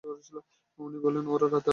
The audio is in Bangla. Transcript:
উনি বলেছিলেন, ওরা রাতে আসবে!